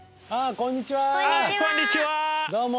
こんにちは！